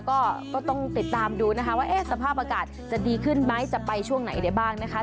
ก็ต้องติดตามดูนะคะว่าสภาพอากาศจะดีขึ้นไหมจะไปช่วงไหนได้บ้างนะคะ